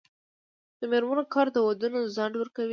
د میرمنو کار د ودونو ځنډ ورکوي.